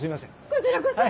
こちらこそ！